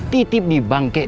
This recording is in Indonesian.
titip di bank kek